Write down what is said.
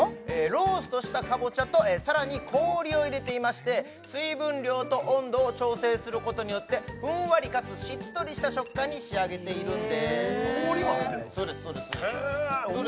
ローストしたカボチャとさらに氷を入れていまして水分量と温度を調整することによってふんわりかつしっとりした食感に仕上げているんです氷も入ってんの？